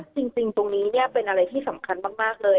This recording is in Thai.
ซึ่งจริงตรงนี้เนี่ยเป็นอะไรที่สำคัญมากเลย